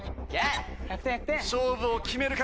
勝負を決めるか？